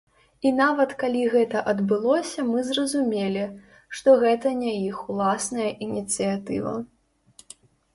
І нават, калі гэта адбылося мы зразумелі, што гэта не іх уласная ініцыятыва.